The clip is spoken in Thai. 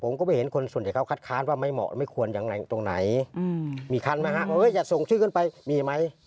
ผมจะพูดใหม่ความคิดจนใหม่พอว่าอะไร